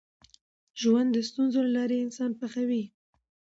ژوند د ستونزو له لارې انسان پخوي.